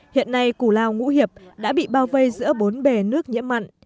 hiện nay củ lao ngũ hiệp đã bị bao vây giữa bốn bề nước nhiễm mặn